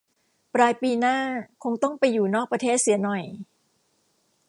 ปลายปีหน้าคงต้องไปอยู่นอกประเทศเสียหน่อย